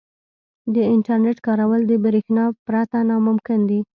• د انټرنیټ کارول د برېښنا پرته ناممکن دي.